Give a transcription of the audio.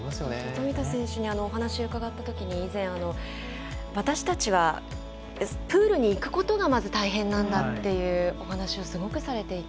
富田選手にお話を伺ったときに私たちは、プールに行くことがまず大変なんだという話をすごくされていて。